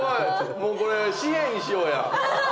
もうこれ紙幣にしようや。